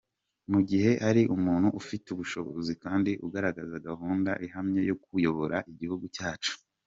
mu gihe ari umuntu ufite ubushobozi kandi ugaragaza gahunda ihamye yo kuyobora igihugu cyacu.